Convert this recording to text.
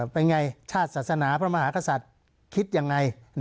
เป็นไงชาติศาสนาพระมหากษัตริย์คิดยังไง